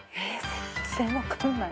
全然分かんない。